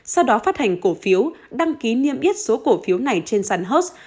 sau đó phát hành cổ phiếu đăng ký niêm yết số cổ phiếu này trên sàn hoss